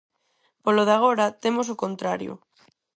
Polo de agora temos o contrario.